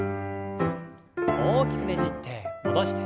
大きくねじって戻して。